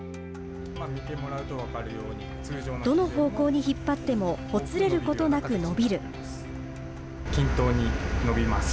どの方向に引っ張ってもほつれることなく伸びる。